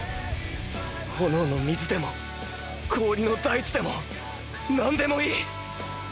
炎の水でも氷の大地でも何でもいい。